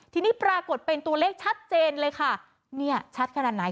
ทีนี้ปรากฏเป็นตัวเลขชัดเจนเลยค่ะเนี่ยชัดขนาดไหน